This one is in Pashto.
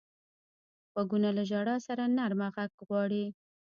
غوږونه له ژړا سره نرمه غږ غواړي